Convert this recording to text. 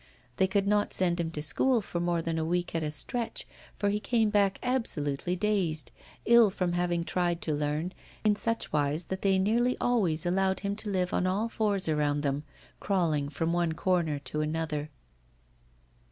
They could not send him to school for more than a week at a stretch, for he came back absolutely dazed, ill from having tried to learn, in such wise that they nearly always allowed him to live on all fours around them, crawling from one corner to another.